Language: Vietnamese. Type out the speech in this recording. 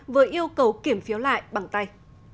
vừa yêu cầu kiểm phiếu lại bằng tay